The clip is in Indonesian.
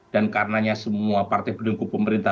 dan karenanya semua partai pendukung pemerintah